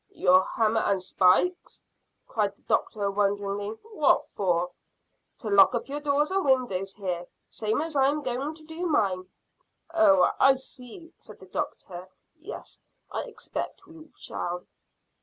"Your hammer and spikes?" cried the doctor, wonderingly. "What for?" "To lock up your doors and windows here, same as I'm going to do mine." "Oh, I see," said the doctor. "Yes, I expect we shall."